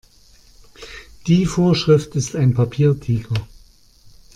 Die Vorschrift ist ein Papiertiger.